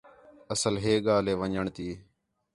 اصل ہے ڳالھ ہے ون٘ڄݨ تی